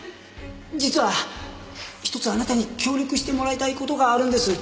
実はひとつあなたに協力してもらいたい事があるんです。